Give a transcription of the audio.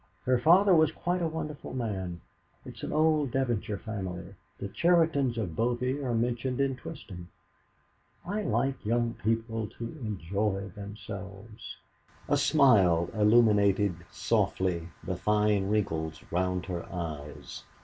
"Her father was quite a wonderful man. It's an old Devonshire family. The Cheritons of Bovey are mentioned in Twisdom. I like young people to enjoy themselves." A smile illumined softly the fine wrinkles round her eyes.